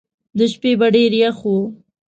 د شپې به ډېر یخ وو.